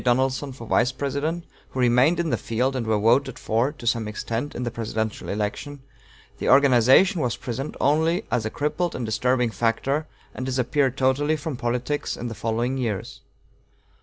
Donelson for Vice President, who remained in the field and were voted for, to some extent, in the presidential election, the organization was present only as a crippled and disturbing factor, and disappeared totally from politics in the following years.